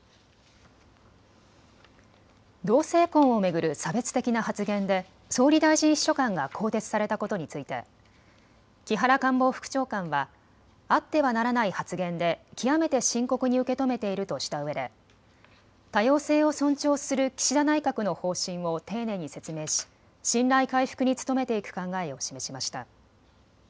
同性婚を巡る差別的な発言で総理大臣秘書官が更迭されたことについて木原官房副長官はあってはならない発言で極めて深刻に受け止めているとしたうえで、多様性を尊重する岸田内閣の方針を丁寧に説明し信頼回復に努めていく考えを示しました。